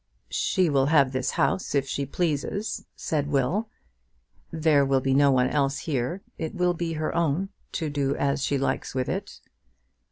"She will have this house if she pleases," said Will. "There will be no one else here. It will be her own, to do as she likes with it."